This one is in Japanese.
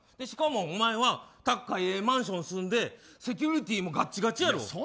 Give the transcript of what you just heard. しかも、お前は高いええマンション住んでセキュリティーもガッチガチやろ。